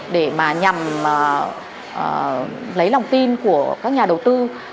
để mà nhằm lấy lòng tin của các nhà đầu tư